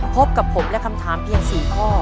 พบกับผมและคำถามเพียง๔ข้อ